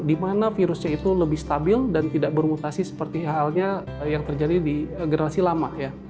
dimana virusnya itu lebih stabil dan tidak bermutasi seperti halnya yang terjadi di generasi lama ya